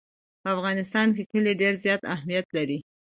په افغانستان کې کلي ډېر زیات اهمیت لري.